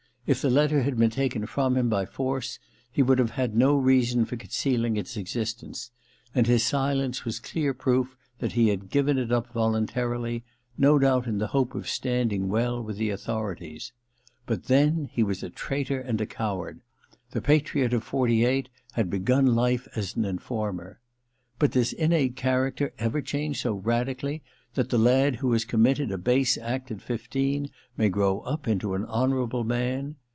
If the letter had been taken from him by force he would have had no reason for conceding its existence ; and his silence was clear proof that he had given it up voluntarily, no doubt in the hope of standing well with the authorities. But then he was a traitor and a coward ; the patriot of 'forty eight had begun life as an informer 1 But does innate character ever change so radically that the lad who has committed a base act at fifteen may grow up into an honourable man